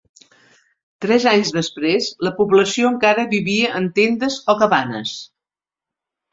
Tres anys després, la població encara vivia en tendes o cabanes.